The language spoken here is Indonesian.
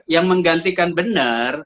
yang menggantikan benar